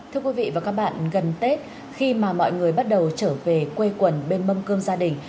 thưa quý vị và các bạn gần tết khi mà mọi người bắt đầu trở về quê quần bên mâm cơm gia đình